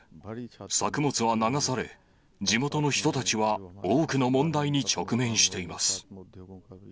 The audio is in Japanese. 作物は流され、地元の人たちは多くの問題に直面しています。